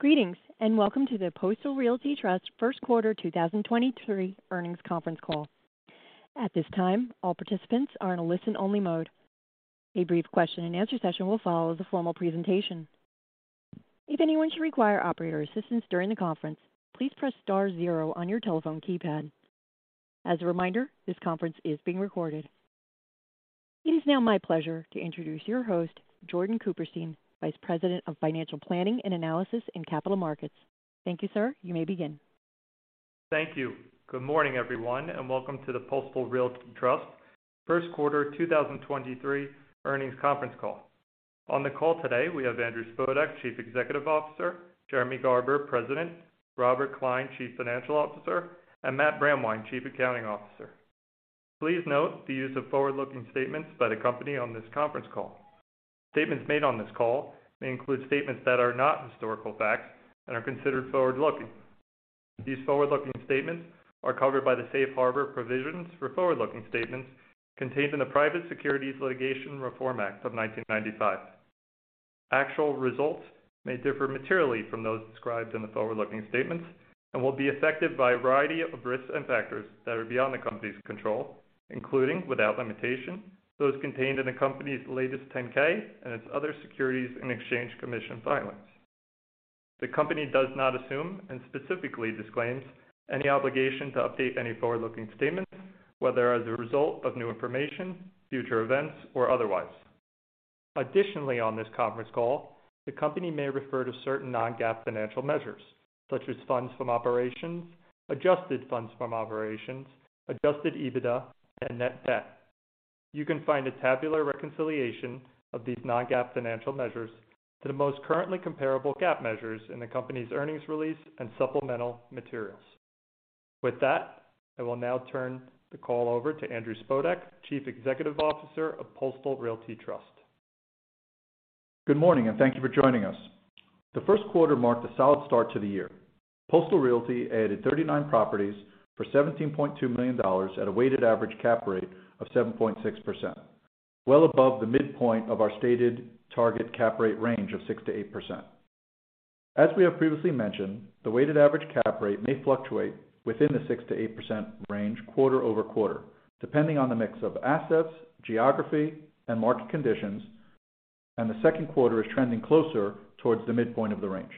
Greetings, welcome to the Postal Realty Trust 1st quarter 2023 earnings conference call. At this time, all participants are in a listen only mode. A brief question-and-answer session will follow the formal presentation. If anyone should require operator assistance during the conference, please press star 0 on your telephone keypad. As a reminder, this conference is being recorded. It is now my pleasure to introduce your host, Jordan Cooperstein, Vice President of Financial Planning and Analysis in Capital Markets. Thank you, sir. You may begin. Thank you. Good morning, everyone, welcome to the Postal Realty Trust first quarter 2023 earnings conference call. On the call today we have Andrew Spodek, Chief Executive Officer, Jeremy Garber, President, Robert Klein, Chief Financial Officer, and Matt Brandwein, Chief Accounting Officer. Please note the use of forward-looking statements by the company on this conference call. Statements made on this call may include statements that are not historical facts and are considered forward-looking. These forward-looking statements are covered by the Safe Harbor Provisions for forward-looking statements contained in the Private Securities Litigation Reform Act of 1995. Actual results may differ materially from those described in the forward-looking statements and will be affected by a variety of risks and factors that are beyond the company's control, including, without limitation, those contained in the company's latest 10-K and its other Securities and Exchange Commission filings. The company does not assume and specifically disclaims any obligation to update any forward-looking statements, whether as a result of new information, future events, or otherwise. Additionally, on this conference call, the company may refer to certain non-GAAP financial measures such as funds from operations, adjusted funds from operations, adjusted EBITDA, and net debt. You can find a tabular reconciliation of these non-GAAP financial measures to the most currently comparable GAAP measures in the company's earnings release and supplemental materials. With that, I will now turn the call over to Andrew Spodek, Chief Executive Officer of Postal Realty Trust. Good morning. Thank you for joining us. The first quarter marked a solid start to the year. Postal Realty added 39 properties for $17.2 million at a weighted average cap rate of 7.6%. Well above the midpoint of our stated target cap rate range of 6%-8%. As we have previously mentioned, the weighted average cap rate may fluctuate within the 6%-8% range quarter-over-quarter, depending on the mix of assets, geography, and market conditions, and the second quarter is trending closer towards the midpoint of the range.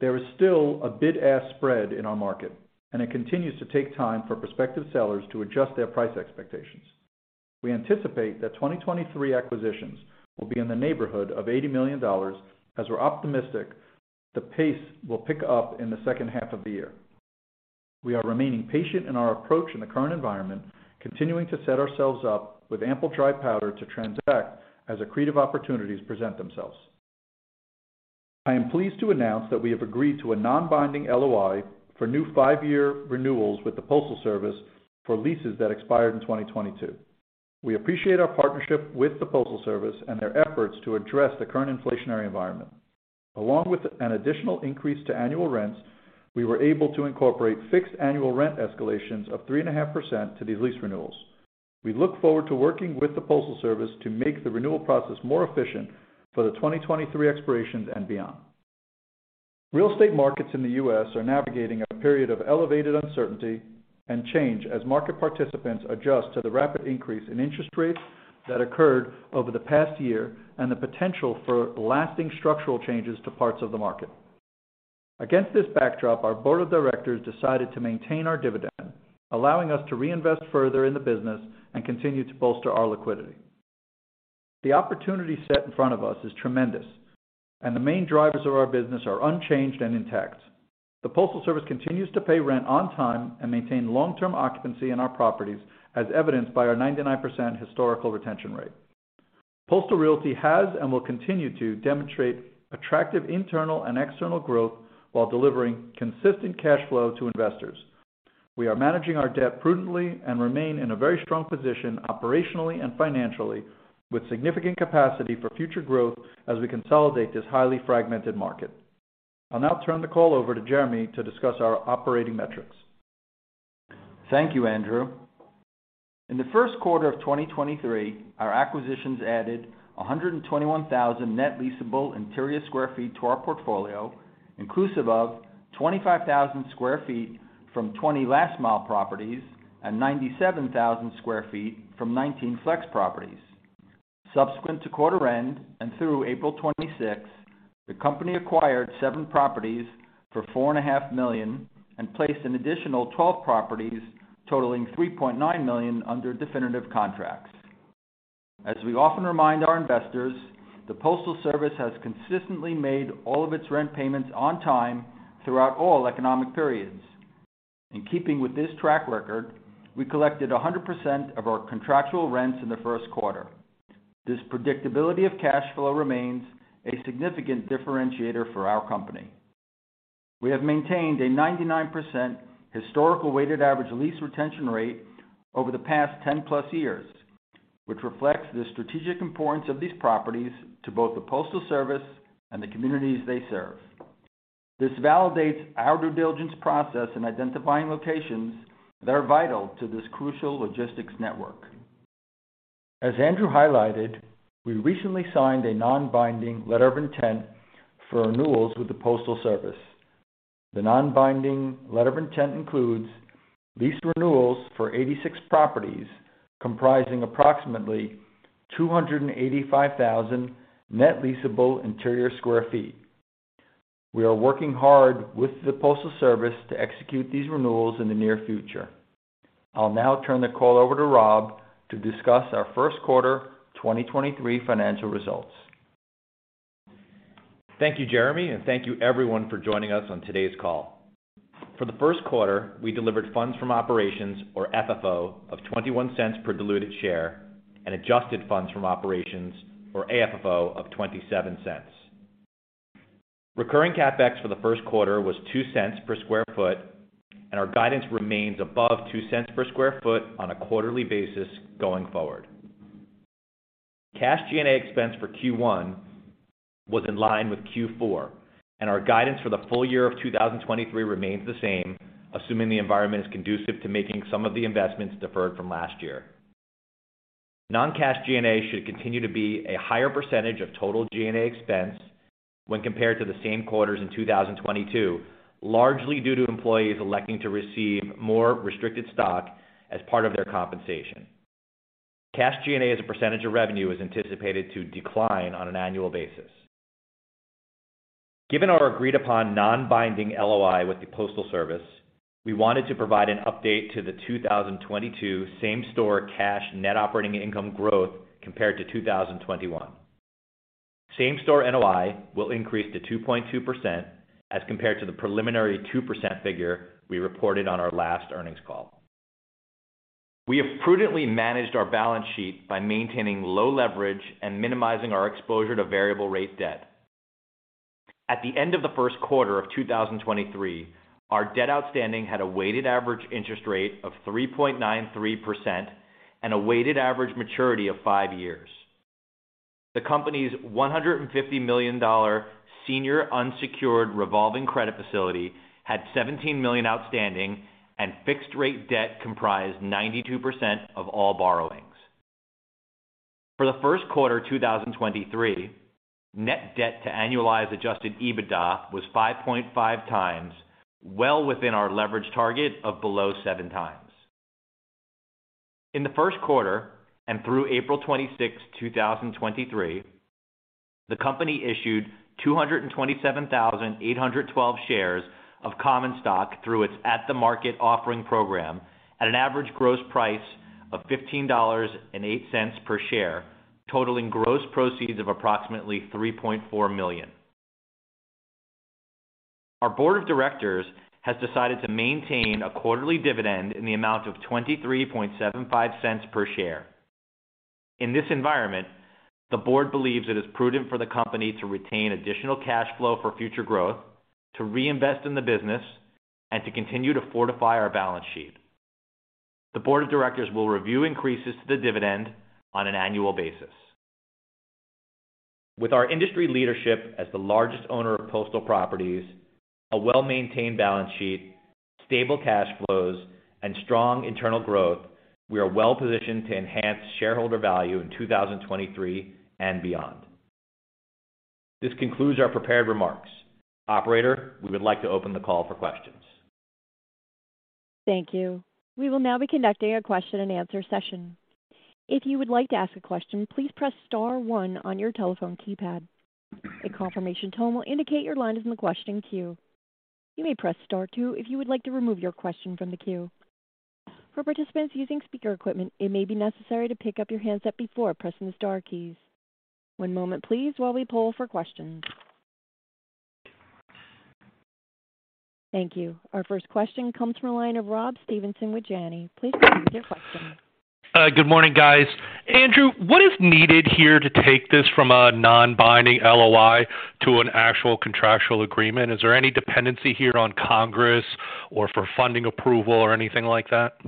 There is still a bid-ask spread in our market, and it continues to take time for prospective sellers to adjust their price expectations. We anticipate that 2023 acquisitions will be in the neighborhood of $80 million as we're optimistic the pace will pick up in the second half of the year. We are remaining patient in our approach in the current environment, continuing to set ourselves up with ample dry powder to transact as accretive opportunities present themselves. I am pleased to announce that we have agreed to a non-binding LOI for new five-year renewals with the Postal Service for leases that expired in 2022. We appreciate our partnership with the Postal Service and their efforts to address the current inflationary environment. Along with an additional increase to annual rents, we were able to incorporate fixed annual rent escalations of 3.5% to these lease renewals. We look forward to working with the Postal Service to make the renewal process more efficient for the 2023 expirations and beyond. Real estate markets in the U.S. are navigating a period of elevated uncertainty and change as market participants adjust to the rapid increase in interest rates that occurred over the past year and the potential for lasting structural changes to parts of the market. Against this backdrop, our board of directors decided to maintain our dividend, allowing us to reinvest further in the business and continue to bolster our liquidity. The opportunity set in front of us is tremendous, and the main drivers of our business are unchanged and intact. The Postal Service continues to pay rent on time and maintain long-term occupancy in our properties, as evidenced by our 99% historical retention rate. Postal Realty has and will continue to demonstrate attractive internal and external growth while delivering consistent cash flow to investors. We are managing our debt prudently and remain in a very strong position operationally and financially with significant capacity for future growth as we consolidate this highly fragmented market. I'll now turn the call over to Jeremy to discuss our operating metrics. Thank you, Andrew. In the first quarter of 2023, our acquisitions added 121,000 net leasable interior square feet to our portfolio, inclusive of 25,000 sq ft from 20 last-mile properties and 97,000 sq ft from 19 flex properties. Subsequent to quarter end and through April 26, the company acquired seven properties for $4.5 million and placed an additional 12 properties totaling $3.9 million under definitive contracts. As we often remind our investors, the Postal Service has consistently made all of its rent payments on time throughout all economic periods. In keeping with this track record, we collected 100% of our contractual rents in the first quarter. This predictability of cash flow remains a significant differentiator for our company. We have maintained a 99% historical weighted average lease retention rate over the past 10+ years, which reflects the strategic importance of these properties to both the Postal Service and the communities they serve. This validates our due diligence process in identifying locations that are vital to this crucial logistics network. As Andrew highlighted, we recently signed a non-binding letter of intent for renewals with the Postal Service. The non-binding letter of intent includes lease renewals for 86 properties comprising approximately 285,000 net leasable interior square feet. We are working hard with the Postal Service to execute these renewals in the near future. I'll now turn the call over to Rob to discuss our first quarter 2023 financial results. Thank you, Jeremy, and thank you everyone for joining us on today's call. For the first quarter, we delivered funds from operations or FFO of $0.21 per diluted share and adjusted funds from operations or AFFO of $0.27. Recurring CapEx for the first quarter was $0.02 per sq ft, and our guidance remains above $0.02 per sq ft on a quarterly basis going forward. Cash G&A expense for Q1 was in line with Q4, and our guidance for the full year of 2023 remains the same, assuming the environment is conducive to making some of the investments deferred from last year. Non-cash G&A should continue to be a higher percentage of total G&A expense when compared to the same quarters in 2022, largely due to employees electing to receive more restricted stock as part of their compensation. Cash G&A as a percentage of revenue is anticipated to decline on an annual basis. Given our agreed upon non-binding LOI with the Postal Service, we wanted to provide an update to the 2022 same-store cash net operating income growth compared to 2021. Same-store NOI will increase to 2.2% as compared to the preliminary 2% figure we reported on our last earnings call. We have prudently managed our balance sheet by maintaining low leverage and minimizing our exposure to variable rate debt. At the end of the first quarter of 2023, our debt outstanding had a weighted average interest rate of 3.93% and a weighted average maturity of five years. The company's $150 million senior unsecured revolving credit facility had $17 million outstanding. Fixed rate debt comprised 92% of all borrowings. For the first quarter 2023, net debt to annualized adjusted EBITDA was 5.5x, well within our leverage target of below 7x. In the first quarter and through April 26, 2023, the company issued 227,812 shares of common stock through its At the Market offering program at an average gross price of $15.08 per share, totaling gross proceeds of approximately $3.4 million. Our board of directors has decided to maintain a quarterly dividend in the amount of $0.2375 per share. In this environment, the board believes it is prudent for the company to retain additional cash flow for future growth, to reinvest in the business, and to continue to fortify our balance sheet. The board of directors will review increases to the dividend on an annual basis. With our industry leadership as the largest owner of postal properties, a well-maintained balance sheet, stable cash flows, and strong internal growth, we are well-positioned to enhance shareholder value in 2023 and beyond. This concludes our prepared remarks. Operator, we would like to open the call for questions. Thank you. We will now be conducting a question and answer session. If you would like to ask a question, please press star one on your telephone keypad. A confirmation tone will indicate your line is in the question queue. You may press Star two if you would like to remove your question from the queue. For participants using speaker equipment, it may be necessary to pick up your handset before pressing the star keys. One moment please while we pull for questions. Thank you. Our first question comes from a line of Rob Stevenson with Janney. Please proceed with your question. Good morning, guys. Andrew, what is needed here to take this from a non-binding LOI to an actual contractual agreement? Is there any dependency here on Congress or for funding approval or anything like that?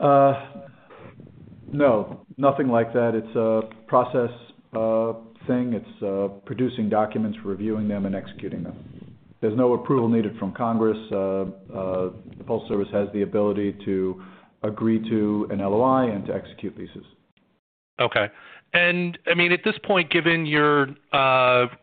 No, nothing like that. It's a process thing. It's producing documents, reviewing them and executing them. There's no approval needed from Congress. The Postal Service has the ability to agree to an LOI and to execute leases. Okay. I mean, at this point, given your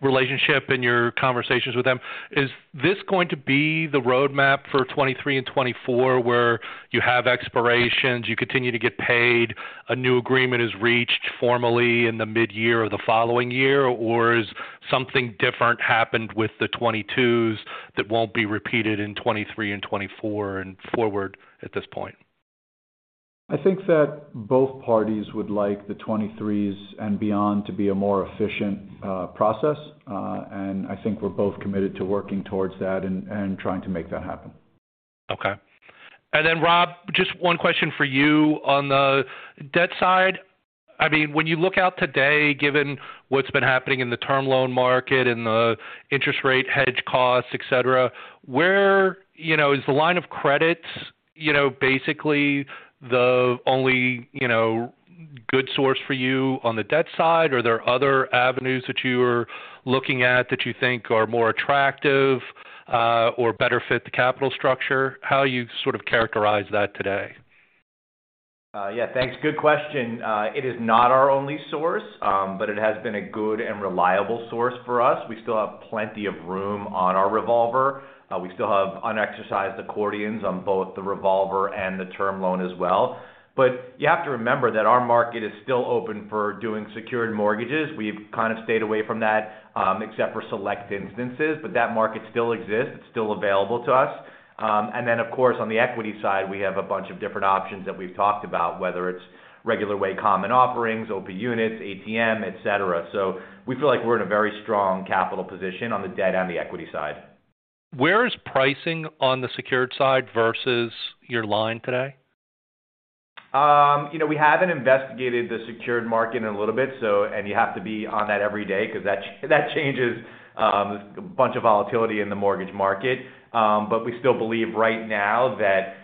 relationship and your conversations with them, is this going to be the roadmap for 2023 and 2024 where you have expirations, you continue to get paid, a new agreement is reached formally in the mid-year or the following year? Has something different happened with the 2022s that won't be repeated in 2023 and 2024 and forward at this point? I think that both parties would like the 2023s and beyond to be a more efficient process. I think we're both committed to working towards that and trying to make that happen. Okay. Rob, just one question for you on the debt side. I mean, when you look out today, given what's been happening in the term loan market and the interest rate hedge costs, et cetera, where, you know, is the line of credit, you know, basically the only, you know, good source for you on the debt side? Are there other avenues that you are looking at that you think are more attractive, or better fit the capital structure? How you sort of characterize that today? Yeah, thanks. Good question. It is not our only source, but it has been a good and reliable source for us. We still have plenty of room on our revolver. We still have unexercised accordions on both the revolver and the term loan as well. You have to remember that our market is still open for doing secured mortgages. We've kind of stayed away from that, except for select instances, but that market still exists. It's still available to us. Of course, on the equity side, we have a bunch of different options that we've talked about, whether it's regular way common offerings, OP units, ATM, et cetera. We feel like we're in a very strong capital position on the debt and the equity side. Where is pricing on the secured side versus your line today? You know, we haven't investigated the secured market in a little bit, so and you have to be on that every day 'cause that changes, a bunch of volatility in the mortgage market. We still believe right now that,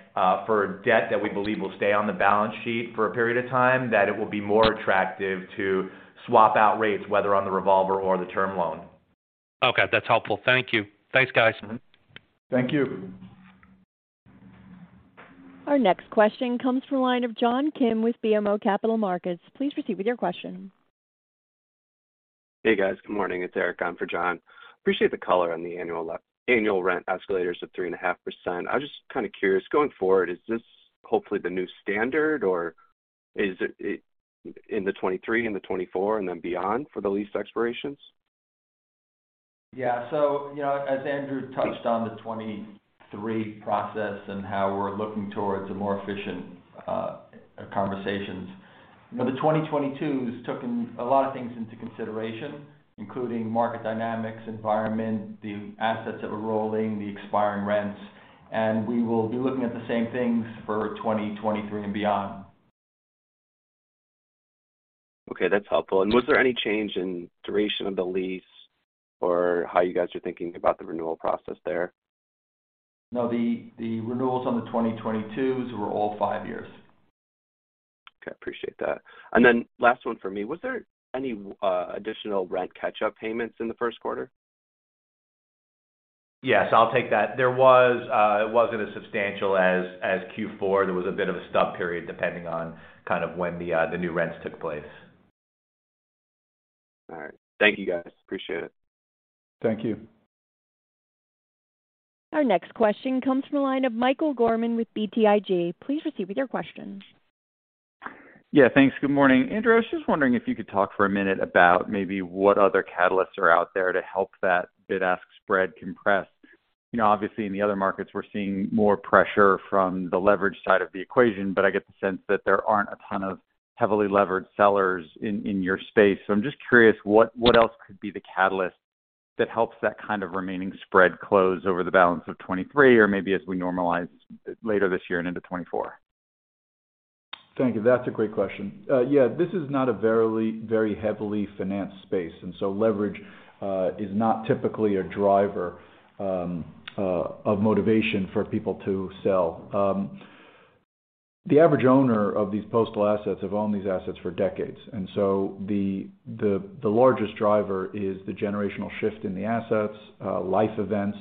for debt that we believe will stay on the balance sheet for a period of time, that it will be more attractive to swap out rates, whether on the revolver or the term loan. Okay, that's helpful. Thank you. Thanks, guys. Thank you. Our next question comes from line of John Kim with BMO Capital Markets. Please proceed with your question. Hey, guys. Good morning. It's Eric on for John. Appreciate the color on the annual annual rent escalators of 3.5%. I was just kinda curious, going forward, is this hopefully the new standard, or is it in the 2023, in the 2024, and then beyond for the lease expirations? Yeah. you know, as Andrew touched on the 2023 process and how we're looking towards a more efficient conversations. You know, the 2022's took in a lot of things into consideration, including market dynamics, environment, the assets that were rolling, the expiring rents, and we will be looking at the same things for 2023 and beyond. Okay, that's helpful. Was there any change in duration of the lease or how you guys are thinking about the renewal process there? No, the renewals on the 2022s were all five years. Okay, appreciate that. Last one for me, was there any additional rent catch-up payments in the first quarter? Yes, I'll take that. There was, it wasn't as substantial as Q4. There was a bit of a stub period, depending on kind of when the new rents took place. All right. Thank you, guys. Appreciate it. Thank you. Our next question comes from a line of Michael Gorman with BTIG. Please proceed with your questions. Yeah, thanks. Good morning. Andrew, I was just wondering if you could talk for a minute about maybe what other catalysts are out there to help that bid-ask spread compress. You know, obviously in the other markets, we're seeing more pressure from the leverage side of the equation, but I get the sense that there aren't a ton of heavily leveraged sellers in your space. I'm just curious, what else could be the catalyst that helps that kind of remaining spread close over the balance of 2023 or maybe as we normalize later this year and into 2024? Thank you. That's a great question. Yeah, this is not a very heavily financed space. Leverage is not typically a driver of motivation for people to sell. The average owner of these postal assets have owned these assets for decades. The largest driver is the generational shift in the assets, life events,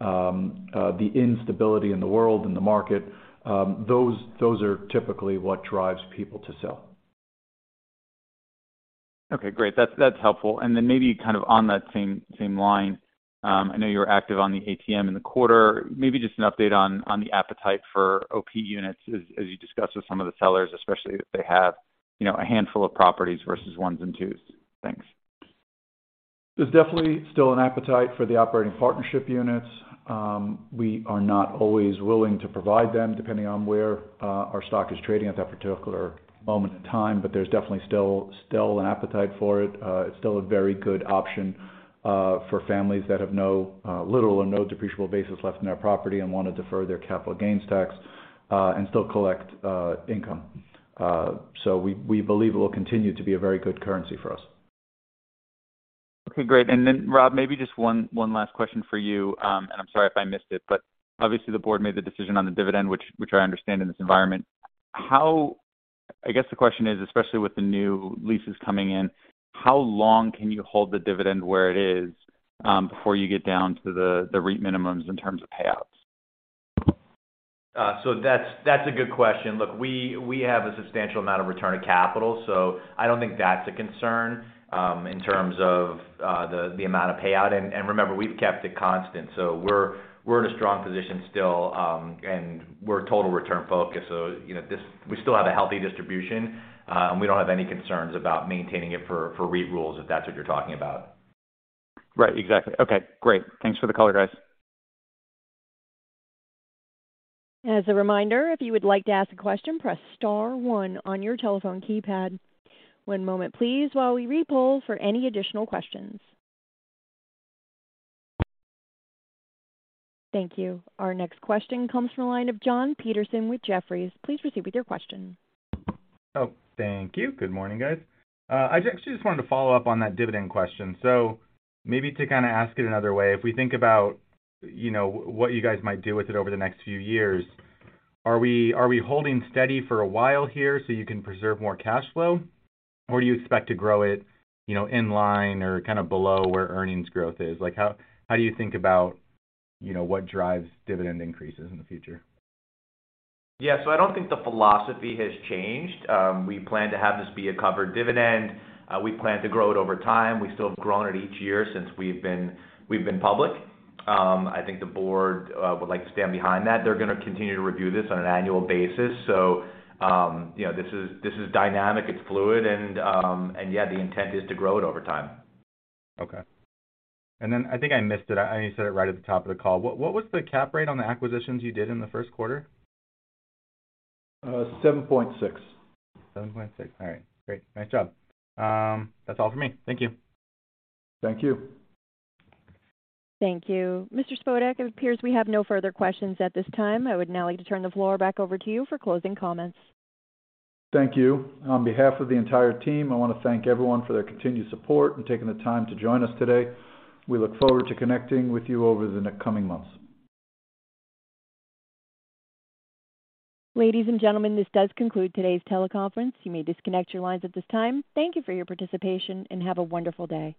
the instability in the world and the market. Those are typically what drives people to sell. Okay, great. That's helpful. Then maybe kind of on that same line, I know you were active on the ATM in the quarter. Maybe just an update on the appetite for OP units as you discuss with some of the sellers, especially if they have, you know, a handful of properties versus ones and twos. Thanks. There's definitely still an appetite for the operating partnership units. We are not always willing to provide them, depending on where our stock is trading at that particular moment in time, but there's definitely still an appetite for it. It's still a very good option for families that have no little or no depreciable basis left in their property and wanna defer their capital gains tax and still collect income. We believe it will continue to be a very good currency for us. Okay, great. Rob, maybe just one last question for you. I'm sorry if I missed it, but obviously the board made the decision on the dividend, which I understand in this environment. I guess the question is, especially with the new leases coming in, how long can you hold the dividend where it is, before you get down to the REIT minimums in terms of payouts? That's a good question. Look, we have a substantial amount of return of capital, so I don't think that's a concern in terms of the amount of payout. Remember, we've kept it constant, so we're in a strong position still, and we're total return focused. You know, we still have a healthy distribution, and we don't have any concerns about maintaining it for REIT rules, if that's what you're talking about. Right. Exactly. Okay, great. Thanks for the color, guys. As a reminder, if you would like to ask a question, press star one on your telephone keypad. One moment, please, while we re-poll for any additional questions. Thank you. Our next question comes from the line of Jon Petersen with Jefferies. Please proceed with your question. Oh, thank you. Good morning, guys. I actually just wanted to follow up on that dividend question. Maybe to kinda ask it another way, if we think about, you know, what you guys might do with it over the next few years, are we holding steady for a while here so you can preserve more cash flow, or do you expect to grow it, you know, in line or kinda below where earnings growth is? How do you think about, you know, what drives dividend increases in the future? Yeah. I don't think the philosophy has changed. We plan to have this be a covered dividend. We plan to grow it over time. We've still grown it each year since we've been public. I think the board would like to stand behind that. They're gonna continue to review this on an annual basis. You know, this is dynamic, it's fluid, and yeah, the intent is to grow it over time. Okay. I think I missed it. I know you said it right at the top of the call. What was the cap rate on the acquisitions you did in the first quarter? 7.6. 7.6. All right, great. Nice job. That's all for me. Thank you. Thank you. Thank you. Mr. Spodek, it appears we have no further questions at this time. I would now like to turn the floor back over to you for closing comments. Thank you. On behalf of the entire team, I wanna thank everyone for their continued support in taking the time to join us today. We look forward to connecting with you over the coming months. Ladies and gentlemen, this does conclude today's teleconference. You may disconnect your lines at this time. Thank you for your participation, and have a wonderful day.